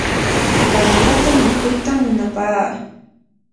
tantata mikuytam munapaa.